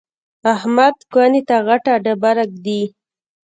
احمد کونې ته غټه ډبره ږدي.